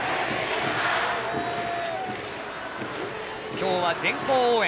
今日は全校応援。